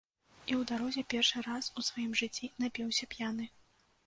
І ў дарозе, першы раз у сваім жыцці, напіўся п'яны.